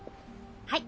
はい。